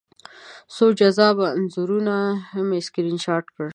څو جذابه انځورونه مې سکرین شاټ کړل